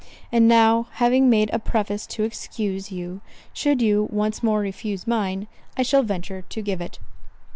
And now, having made a preface to excuse you, should you once more refuse mine, I shall venture to give it."